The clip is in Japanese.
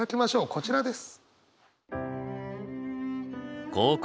こちらです。